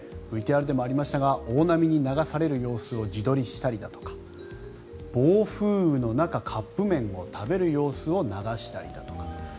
ＶＴＲでもありましたが大波に流される様子を自撮りしたりだとか暴風雨の中カップ麺を食べる様子を流したりだとか。